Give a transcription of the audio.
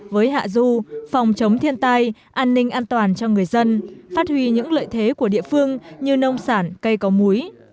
với hạ du phòng chống thiên tai an ninh an toàn cho người dân phát huy những lợi thế của địa phương như nông sản cây có múi